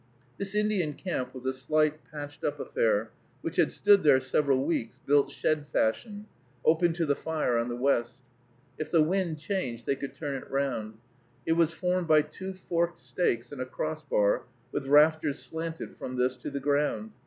This Indian camp was a slight, patched up affair, which had stood there several weeks, built shed fashion, open to the fire on the west. If the wind changed, they could turn it round. It was formed by two forked stakes and a cross bar, with rafters slanted from this to the ground.